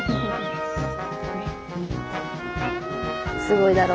すごいだろ！